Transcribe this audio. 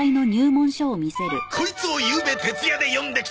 こいつをゆうべ徹夜で読んできた！